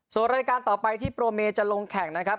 ส่วนรายการต่อไปที่โปรเมจะลงแข่งนะครับ